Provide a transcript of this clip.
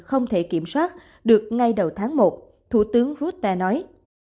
không thể kiểm soát được ngay đầu tháng một thủ tướng rutte nói